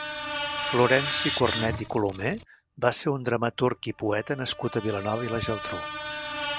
Florenci Cornet i Colomer va ser un dramaturg i poeta nascut a Vilanova i la Geltrú.